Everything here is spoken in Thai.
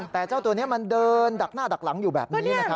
แต่เจ้าตัวนี้มันเดินดักหน้าดักหลังอยู่แบบนี้